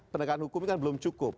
pendekatan hukum ini kan belum cukup